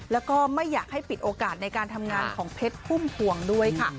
แล้วก็ไม่อยากให้ปิดโอกาสในการทำงานของเพชรพุ่มพวงด้วยค่ะ